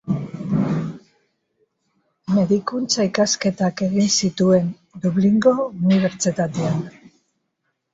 Medikuntza-ikasketak egin zituen Dublingo Unibertsitatean.